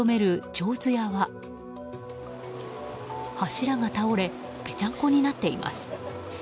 手水舎は柱が倒れぺちゃんこになっています。